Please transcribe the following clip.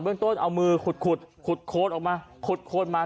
เรื่องต้นเอามือขุดขุดโคนออกมาขุดโคนมา